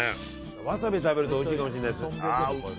ワサビで食べるとおいしいかもしれないです。